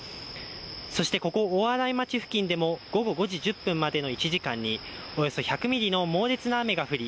そして、ここ大洗町付近でも午後５時１０分までの１時間におよそ１００ミリの猛烈な雨が降り